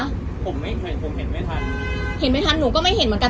ผมไม่เห็นผมเห็นไม่ทันเห็นไม่ทันหนูก็ไม่เห็นเหมือนกัน